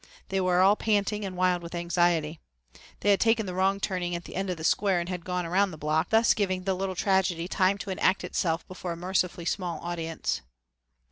They were all panting and wild with anxiety. They had taken the wrong turning at the end of the square and had gone around the block, thus giving the little tragedy time to enact itself before a mercifully small audience.